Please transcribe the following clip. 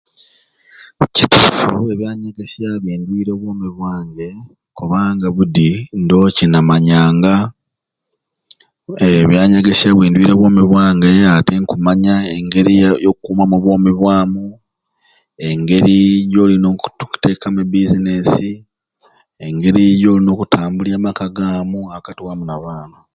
Kituufu ebyanyegesya bindwire obwomi bwange kubanga budi ndowo kyenamanyanga ee ebyanyegesya bindwire obwomi bwange ati nkumanya engeriya yakukumamu obwomi bwamu engeri gyolina okutekamu e business engeri gyolina okutambulya amaka gamu akati wamu n'abaana